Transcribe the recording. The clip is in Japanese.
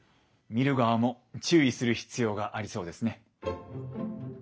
見る側も注意する必要がありそうですね。